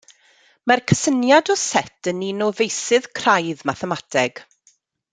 Mae'r cysyniad o set yn un o feysydd craidd mathemateg.